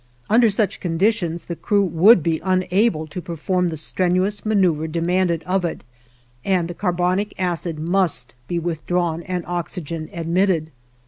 Under such conditions the crew would be unable to perform the strenuous maneuver demanded of it, and the carbonic acid must be withdrawn and oxygen admitted.